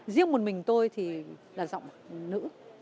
riêng một mình tôi thì là giọng nữ